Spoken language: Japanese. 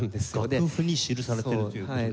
楽譜に記されてるという事ですね？